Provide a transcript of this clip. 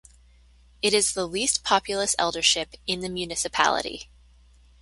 It is the least populous eldership in the municipality.